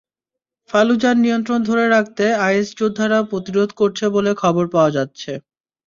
ফালুজার নিয়ন্ত্রণ ধরে রাখতে আইএস যোদ্ধারাও প্রতিরোধ করছে বলে খবর পাওয়া যাচ্ছে।